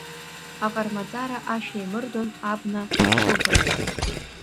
Аҟармаҵара ашәа еимырдон абна ҽыгәраҿ.